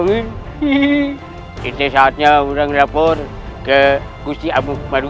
ini saatnya orang lapor ke kustiabu baru